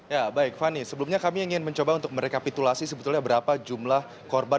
ya baik fani sebelumnya kami ingin mencoba untuk merekapitulasi sebetulnya berapa jumlah korban